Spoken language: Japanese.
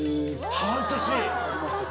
半年！